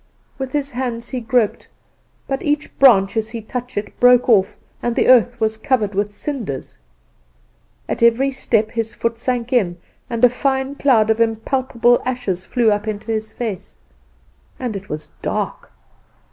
With his hands he groped; but each branch as he touched it broke off, and the earth was covered with cinders. At every step his foot sank in, and a fine cloud of impalpable ashes flew up into his face; and it was dark.